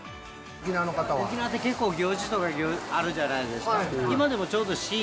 沖縄って結構行事とかあるじゃないですか。